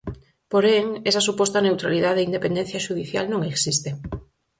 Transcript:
Porén esa suposta neutralidade e independencia xudicial non existe.